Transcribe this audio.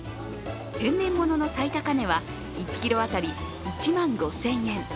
天然ものの最高値は１ｋｇ当たり１万５０００円。